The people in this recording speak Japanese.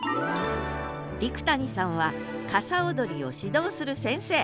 陸谷さんは傘踊りを指導する先生。